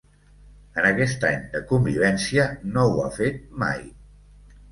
En aquest any de convivència no ho ha fet mai.